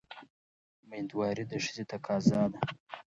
مېندواري د ښځې تقاضا ده.